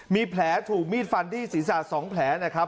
มีแผลถูกมีดฟันที่ศีรษะ๒แผลนะครับ